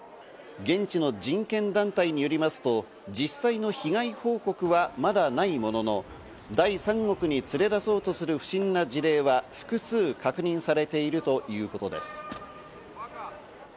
現地の人権団体によりますと、実際の被害報告はまだないものの、第三国に連れ出そうとする不審な事例は複数確認されているということです。